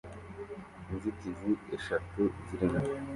Inzitizi eshatu zirimo